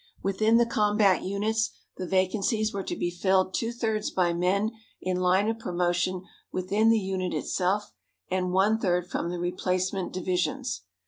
Within the combat units, the vacancies were to be filled two thirds by men in line of promotion within the unit itself, and one third from the replacement divisions.